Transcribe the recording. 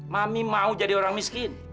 mami mau jadi orang miskin